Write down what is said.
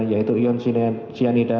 yaitu ion cyanida